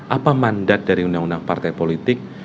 apa mandat dari undang undang partai politik